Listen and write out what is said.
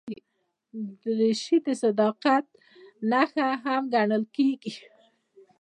دریشي د صداقت نښه هم ګڼل کېږي.